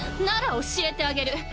なら教えてあげる。